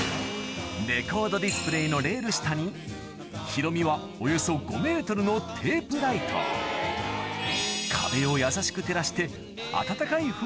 レコードディスプレイのレール下にヒロミはおよそ５ｍのテープライトをやさしく